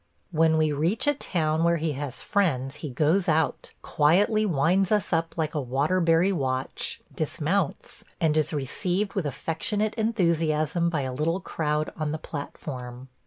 When we reach a town where he has friends he goes out, quietly winds us up like a Waterbury watch, dismounts, and is received with affectionate enthusiasm by a little crowd on the platform.